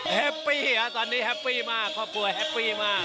แฮปปี้ครับตอนนี้แฮปปี้มากครอบครัวแฮปปี้มาก